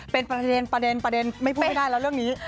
เป็นประเด็นประเด็นประเด็นไม่พูดได้แล้วเรื่องนี้